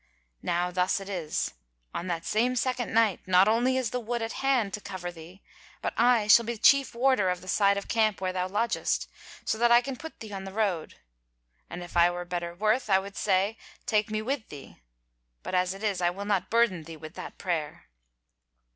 Now thus it is: on that same second night, not only is the wood at hand to cover thee, but I shall be chief warder of the side of the camp where thou lodgest, so that I can put thee on the road: and if I were better worth, I would say, take me with thee, but as it is, I will not burden thee with that prayer."